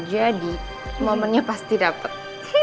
jadi momennya pasti dapet